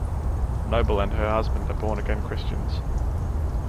Noble and her husband are born again Christians.